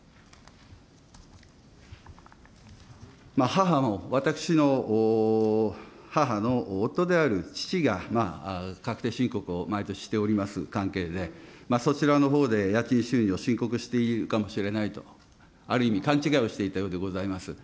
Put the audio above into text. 母の、私の母の夫である父が確定申告を毎年しております関係で、そちらのほうで家賃収入を申告しているかもしれないと、ある意味、勘違いをしていたようでございます。